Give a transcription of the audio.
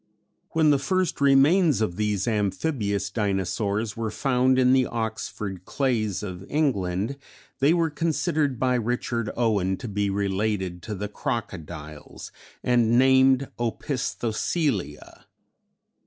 When the first remains of these amphibious Dinosaurs were found in the Oxford Clays of England, they were considered by Richard Owen to be related to the Crocodiles, and named Opisthocoelia.